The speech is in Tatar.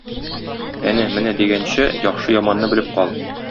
Әнә, менә дигәнче, яхшы-яманны белеп кал!